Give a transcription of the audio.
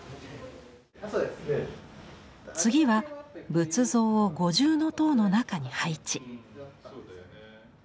次は仏像を五重塔の中に配置。